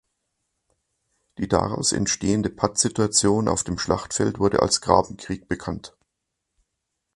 Die daraus entstehende Pattsituation auf dem Schlachtfeld wurde als Grabenkrieg bekannt.